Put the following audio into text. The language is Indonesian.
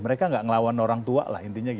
mereka gak ngelawan orang tua lah intinya